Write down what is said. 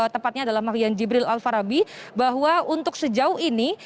tepatnya adalah mafian jibril alfarabi bahwa untuk sejauh ini